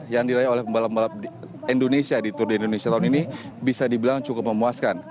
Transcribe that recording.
yang diraih oleh pembalap pembalap indonesia di tour de indonesia tahun ini bisa dibilang cukup memuaskan